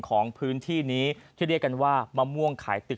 ของพื้นที่นี้ที่เรียกกันว่ามะม่วงขายตึก